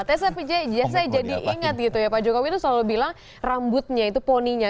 tess fijaya jadi inget gitu ya pak jokowi tuh selalu bilang rambutnya itu poninya